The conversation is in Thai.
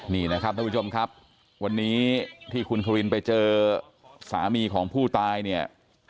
นี่นะครับท่านผู้ชมครับวันนี้ที่คุณควินไปเจอสามีของผู้ตายเนี่ย